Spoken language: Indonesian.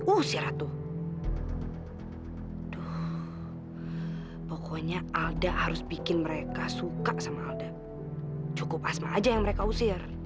oh pokoknya alda harus bikin mereka suka sama alda cukup asma aja yang mereka usir